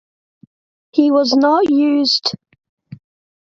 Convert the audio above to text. He was not used.